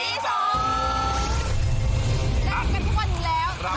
รับกันทุกวันอยู่แล้ว